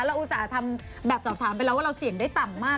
อุตส่าห์ทำแบบสอบถามไปแล้วว่าเราเสี่ยงได้ต่ำมาก